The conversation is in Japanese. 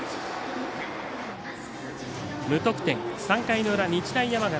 無得点、３回の裏、日大山形。